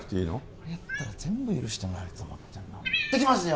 これやったら全部許してもらえると思って行ってきますよ